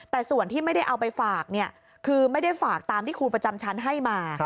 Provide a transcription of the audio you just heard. แต่ส่วนที่ไม่ได้เอาไปฝากคือไม่ได้ฝากตามที่ครูประจำชั้นให้มา